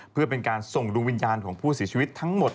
เพื่อเป็นการส่งดวงวิญญาณของผู้เสียชีวิตทั้งหมด